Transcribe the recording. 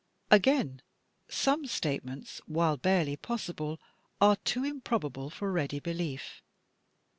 Again, some statements, while barely possible, are too im probable for ready belief.